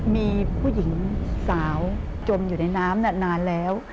มีผู้หญิงสาวจมอยู่ในน้ำนานแล้ว